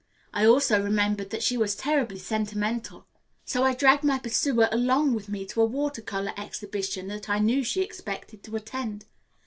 I also remembered that she was terribly sentimental. So I dragged my pursuer along with me to a water color exhibition that I knew she expected to attend.